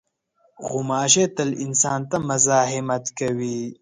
غوماشې تل انسان ته مزاحمت کوي.